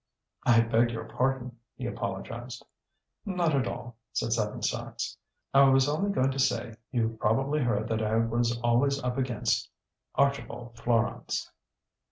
"I beg your pardon!" he apologised. "Not at all," said Seven Sachs. "I was only going to say you've probably heard that I was always up against Archibald Florance."